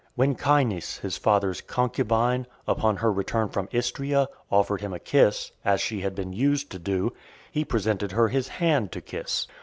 When Caenis, his father's concubine, upon her return from Istria, offered him a kiss, as she had been used to do, he presented her his hand to kiss.